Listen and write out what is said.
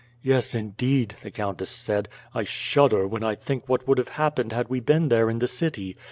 "Yes, indeed," the countess said. "I shudder when I think what would have happened had we been there in the city.